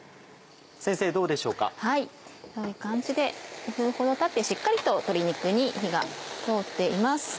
２分ほどたってしっかりと鶏肉に火が通っています。